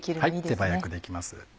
手早くできます。